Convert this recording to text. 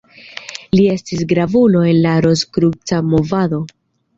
Li estis gravulo en la Rozkruca movado.